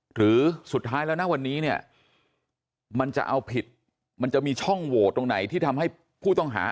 หรือสุดท้ายแล้วนะวันนี้เนี่ยมันจะเอาผิดมันจะมีช่องโหวตตรงไหนที่ทำให้ผู้ต้องหา